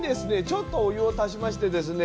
ちょっとお湯を足しましてですね